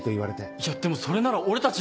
いやでもそれなら俺たちも。